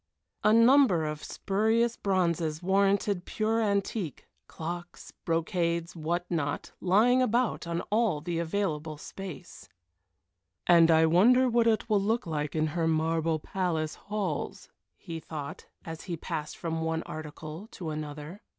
A number of spurious bronzes warranted pure antique, clocks, brocades, what not, lying about on all the available space. "And I wonder what it will look like in her marble palace halls," he thought, as he passed from one article to another.